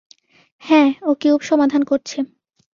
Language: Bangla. হ্যাঁ, ও কিউব সমাধান করছে।